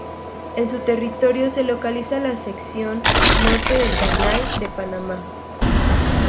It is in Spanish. En su territorio se localiza la sección norte del canal de Panamá.